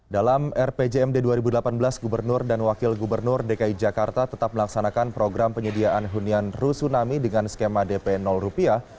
dalam rpjmd dua ribu delapan belas gubernur dan wakil gubernur dki jakarta tetap melaksanakan program penyediaan hunian rusunami dengan skema dp rupiah